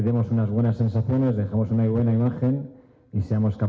memiliki sensasi yang baik memiliki gambar yang baik dan berkembang